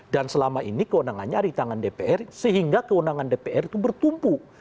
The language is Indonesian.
dan selama ini kewenangannya ada di tangan dpr sehingga kewenangan dpr itu bertumpu